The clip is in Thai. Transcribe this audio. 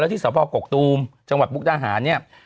แล้วที่สภาพกกตูมจังหวัดปุ๊กตาหานนี่